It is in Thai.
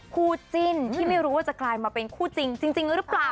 คู่จิ้นที่ไม่รู้ว่าจะกลายมาเป็นคู่จริงจริงหรือเปล่า